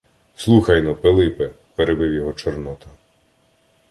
— Слухай-но, Пилипе, — перебив його Чорнота.